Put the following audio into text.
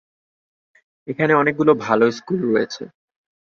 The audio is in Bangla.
এখানে অনেকগুলি ভাল স্কুল রয়েছে।